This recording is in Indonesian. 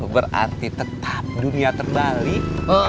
berarti tetap dunia terbalik